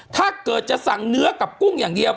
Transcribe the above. ถ้าเกิดจะสั่งเนื้อกับกุ้งอย่างเดียว